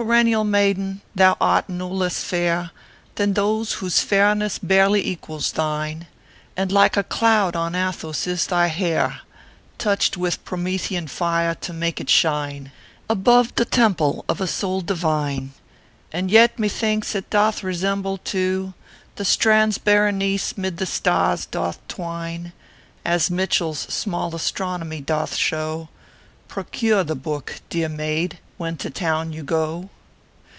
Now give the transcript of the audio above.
Perennial maiden, thou art no less fair Than those whose fairness barely equals thine ; And like a cloud on Athos is thy hair, Touched with Promethean fire to make it shine Above the temple of a soul divine ; And yet, methinks, it doth resemble, too, The strands Berenice mid the stars doth twine, As Mitchell s small Astronomy doth show ; Procure the book, dear maid, when to the town you go.